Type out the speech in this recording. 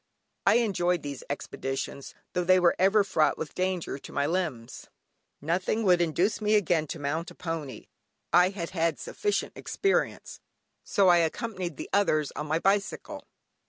I enjoyed these expeditions, tho' they were ever fraught with danger to my limbs. Nothing would induce me again to mount a pony (I had had sufficient experience) so I accompanied the others on my bicycle.